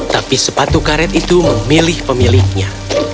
tapi sepatu karet itu memilih pemiliknya